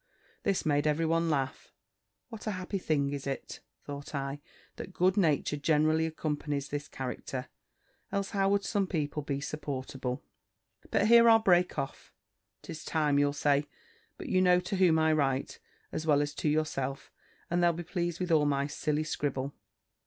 This made every one laugh. "What a happy thing is it," thought I, "that good nature generally accompanies this character; else, how would some people be supportable?" But here I'll break off. 'Tis time, you'll say. But you know to whom I write, as well as to yourself, and they'll be pleased with all my silly scribble.